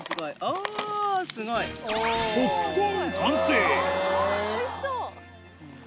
おいしそう！